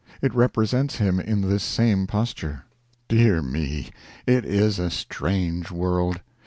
It represents him in this same posture. Dear me! It is a strange world.